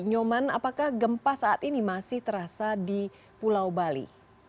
nyoman apakah gempa saat ini masih terasa di pulau bali